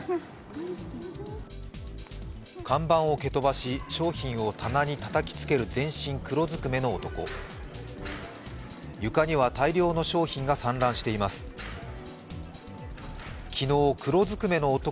看板を蹴飛ばし、商品を棚にたたきつける全身黒ずくめの男。